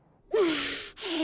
ああ。